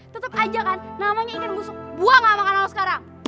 tetep aja kan namanya ikan busuk gue gak makan lo sekarang